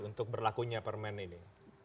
untuk berlakunya permen ini